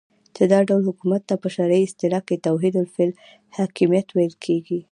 چی دا ډول حکومت ته په شرعی اصطلاح کی توحید فی الحاکمیت ویل کیږی